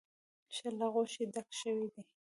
ښه له غوښې ډک شوی دی.